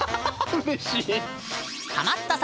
うれしい！